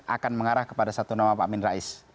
akan mengarah kepada satu nama pak amin rais